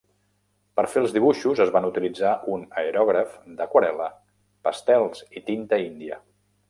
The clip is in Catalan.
Per fer els dibuixos es van utilitzar un aerògraf d'aquarel·la, pastels i tinta índia.